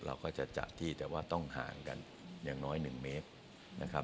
เราก็จะจัดที่แต่ว่าต้องห่างกันอย่างน้อย๑เมตรนะครับ